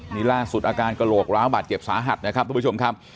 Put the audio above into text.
นี่ล่าสุดอาการกระโหลกร้าวบาดเจ็บสาหัสนะครับทุกผู้ชมครับ